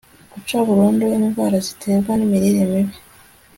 guca burundu indwara ziterwa n'imirire mibi